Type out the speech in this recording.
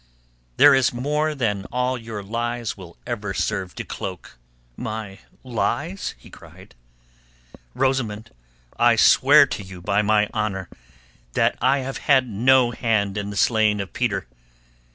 "There is more than all your lies will ever serve to cloak." "My lies?" he cried. "Rosamund, I swear to you by my honour that I have had no hand in the slaying of Peter.